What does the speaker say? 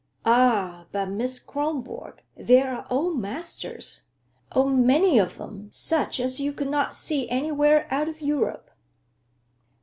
"Ah, but Miss Kronborg, there are old masters! Oh, many of them, such as you could not see anywhere out of Europe."